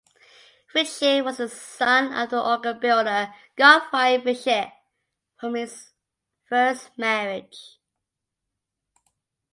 Fritzsche was the son of the organ builder Gottfried Fritzsche from his first marriage.